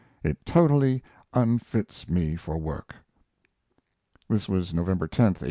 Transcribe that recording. It totally unfits me for work. This was November 10, 1897.